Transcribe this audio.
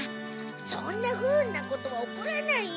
そんなふうんなことは起こらないよ。